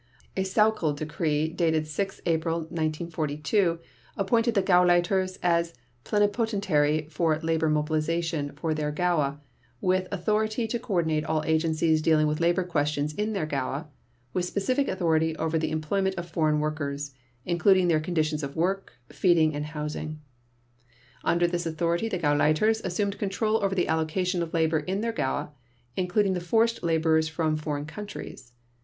A Sauckel decree dated 6 April 1942 appointed the Gauleiters as Plenipotentiary for Labor Mobilization for their Gaue with authority to coordinate all agencies dealing with labor questions in their Gaue, with specific authority over the employment of foreign workers, including their conditions of work, feeding, and housing. Under this authority the Gauleiters assumed control over the allocation of labor in their Gaue, including the forced laborers from foreign countries.